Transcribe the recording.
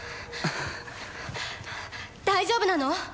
大丈夫なの？